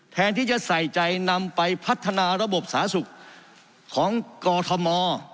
แทนที่จะใส่ใจนำไปพัฒนาระบบสาธารณสุขของกอทม